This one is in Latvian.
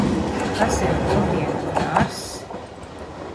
Kas ir kopienas dārzs?